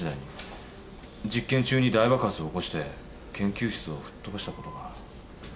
実験中に大爆発を起こして研究室を吹っ飛ばしたことが。